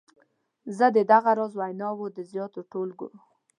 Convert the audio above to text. زه د دغه راز ویناوو د زیاتو ټولګو.